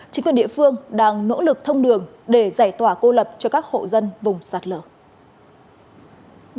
chính quyền địa phương đang nỗ lực thông đường để giải tỏa cô lập cho các hộ dân vùng sạt lở